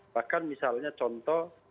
bahkan misalnya contoh